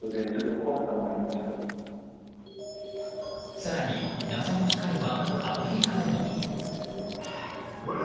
更に、謎の光はアメリカでも。